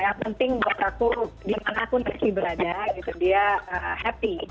yang penting buat aku gimana pun messi berada dia happy